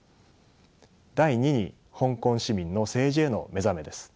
第２に香港市民の政治への目覚めです。